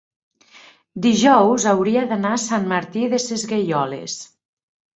dijous hauria d'anar a Sant Martí Sesgueioles.